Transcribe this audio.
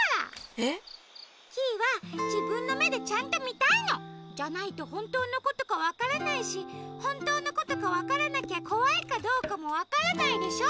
えっ？キイはじぶんのめでちゃんとみたいの！じゃないとほんとうのことかわからないしほんとうのことかわからなきゃこわいかどうかもわからないでしょ。